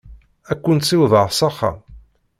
Ad ken-ssiwḍeɣ s axxam?